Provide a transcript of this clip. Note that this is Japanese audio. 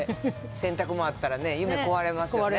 洗濯もんあったら、夢壊れますよね。